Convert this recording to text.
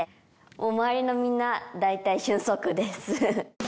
周りのみんな大体瞬足です。